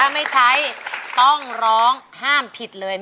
ไม่ใช่